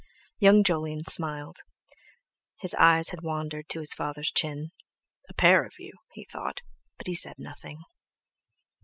Young Jolyon smiled; his eyes had wandered to his father's chin. "A pair of you," he thought, but he said nothing.